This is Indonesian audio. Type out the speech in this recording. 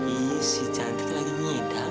ih si cantik lagi nyedam